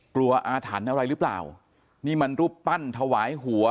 อาถรรพ์อะไรหรือเปล่านี่มันรูปปั้นถวายหัว